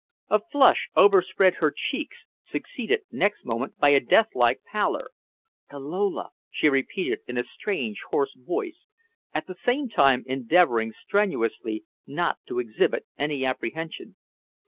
A flush overspread her cheeks, succeeded next moment by a death like pallor. "The Lola!" she repeated in a strange, hoarse voice, at the same time endeavoring strenuously not to exhibit any apprehension.